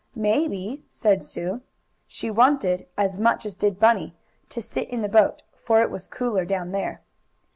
"Maybe," said Sue. She wanted, as much as did Bunny, to sit in the boat, for it was cooler down there.